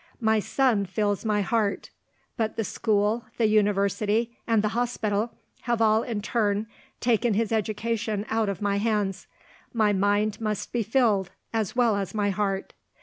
"My son fills my heart. But the school, the university, and the hospital have all in turn taken his education out of my hands. My mind must be filled, as well as my heart."